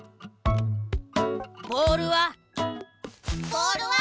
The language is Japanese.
ボールは！？